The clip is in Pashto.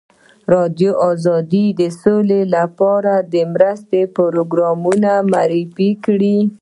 ازادي راډیو د سوله لپاره د مرستو پروګرامونه معرفي کړي.